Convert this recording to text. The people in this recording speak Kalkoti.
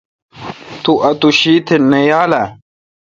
تو اوتو شیت نہ یال اؘ۔